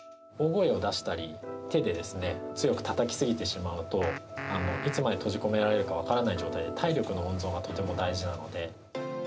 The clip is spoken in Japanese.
大声を出したり手で強くたたきすぎてしまうといつまで閉じ込められるか分からない状態で体力の温存がとても大事なので。